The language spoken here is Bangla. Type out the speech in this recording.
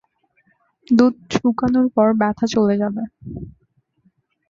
দুধ শুকানোর পর, ব্যাথা চলে যাবে।